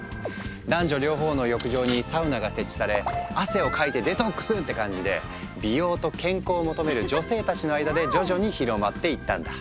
男女両方の浴場にサウナが設置され「汗をかいてデトックス！」って感じで美容と健康を求める女性たちの間で徐々に広まっていったんだ。